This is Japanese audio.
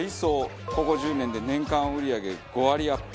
ここ１０年で年間売り上げ５割アップ。